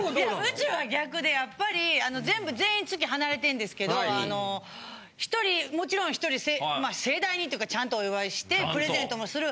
うちは逆でやっぱり全部全員月離れてるんですけど１人もちろん盛大にというかちゃんとお祝いしてプレゼントもする。